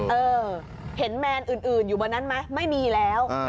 เออเห็นแมนอื่นอยู่บนนั้นไหมไม่มีแล้ว